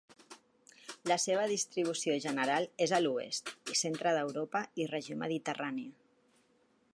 La seva distribució general és a l'oest i centre d'Europa i Regió mediterrània.